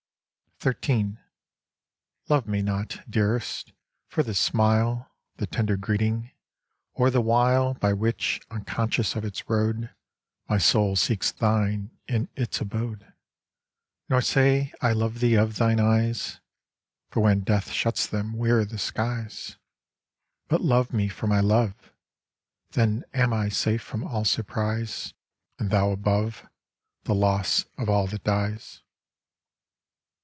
XIII Love me not, Dearest, for the smile, The tender greeting, or the wile By which, unconscious of its road, My soul seeks thine in its abode; Nor say "I love thee of thine eyes, " For when Death shuts them, where thy skies? But love me for my love, Then am I safe from all surprise, And thou above The loss of all that dies.